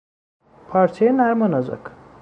پارچهی نرم و نازک